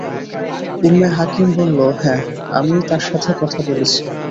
উম্মে হাকীম বলল, হ্যাঁ, আমিই তার সাথে কথা বলেছি।